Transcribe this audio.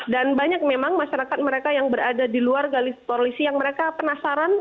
dan banyak memang masyarakat mereka yang berada di luar galis polisi yang penasaran